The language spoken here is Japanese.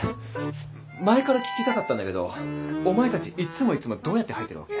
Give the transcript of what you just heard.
前から聞きたかったんだけどお前たちいっつもいっつもどうやって入ってるわけ？